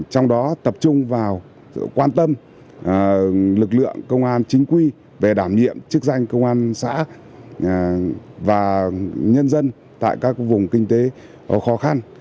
trong đó tập trung vào sự quan tâm lực lượng công an chính quy về đảm nhiệm chức danh công an xã và nhân dân tại các vùng kinh tế khó khăn